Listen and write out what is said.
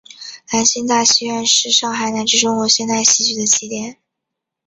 兰心大戏院是上海乃至中国现代戏剧的起点。